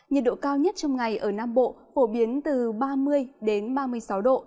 nhiệt độ cao nhất trong ngày ở nam bộ phổ biến từ ba mươi ba mươi sáu độ